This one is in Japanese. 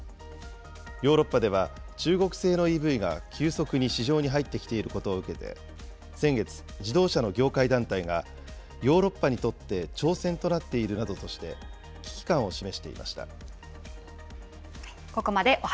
ヨーロッパでは、中国製のＥＶが急速に市場に入ってきていることを受けて、先月、自動車の業界団体が、ヨーロッパにとって挑戦となっているなどとして危機感を示していました。